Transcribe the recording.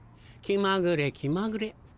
気まぐれ気まぐれ。